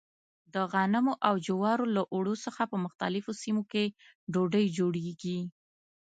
د غنمو او جوارو له اوړو څخه په مختلفو سیمو کې ډوډۍ جوړېږي.